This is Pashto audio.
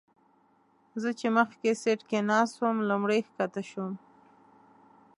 زه چې مخکې سیټ کې ناست وم لومړی ښکته شوم.